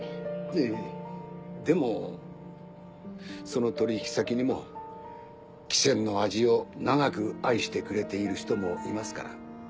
ええでもその取引先にも喜泉の味を長く愛してくれている人もいますから。